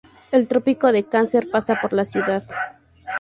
El trópico de Cáncer pasa por la ciudad.